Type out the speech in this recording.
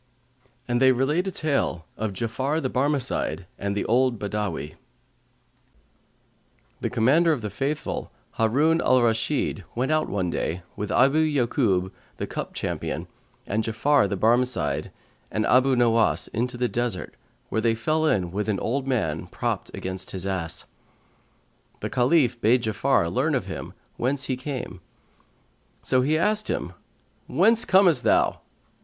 And they relate a tale of JA'AFAR THE BARMECIDE AND THE OLD BADAWL The Commander of the Faithful, Harun al Rashid, went out one day, with Abu Ya'Kϊb the cup companion[FN#140] and Ja'afar the Barmecide and Abu Nowas, into the desert, where they fell in with an old man, propt against his ass. The Caliph bade Ja'afar learn of him whence he came; so he asked him, "Whence comest thou?"